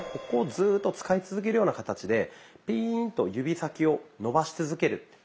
ここをずっと使い続けるような形でピーンと指先を伸ばし続ける。